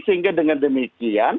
sehingga dengan demikian